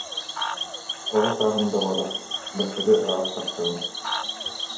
оҕо сааһым доҕоро, бастакы ыраас тапталым